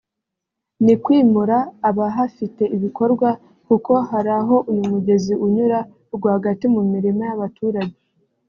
ni kwimura abahafite ibikorwa kuko hari aho uyu mugezi unyura rwagati mu mirima y’abaturage